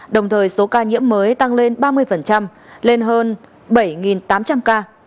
đồng thời số ca nhiễm mới tăng lên ba mươi lên hơn bảy tám trăm linh ca